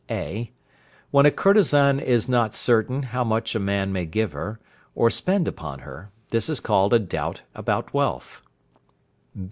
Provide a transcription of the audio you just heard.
(a). When a courtesan is not certain how much a man may give her, or spend upon her, this is called a doubt about wealth.